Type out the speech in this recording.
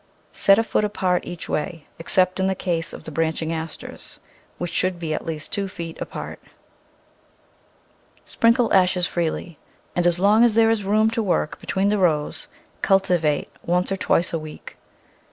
Set a foot apart each way, except in the case of the branching Asters, which should be at least two feet apart. Sprinkle ashes freely, and as long as there is room to work between the rows cultivate once or twice a week.